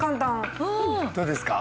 どうですか？